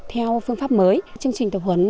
theo phương pháp mới chương trình tập huấn